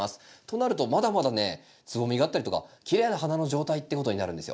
となるとまだまだねつぼみがあったりとかきれいな花の状態っていうことになるんですよ。